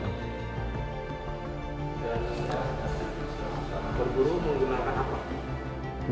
dan berburu menggunakan apa